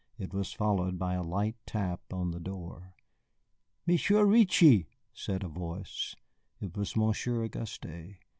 It was followed by a light tap on the door. "Monsieur Reetchie," said a voice. It was Monsieur Auguste.